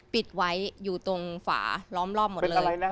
ปิดไว้อยู่ตรงฝาล้อมรอบหมดเลย